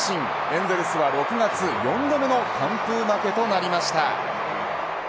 エンゼルスは６月４度目の完封負けとなりました。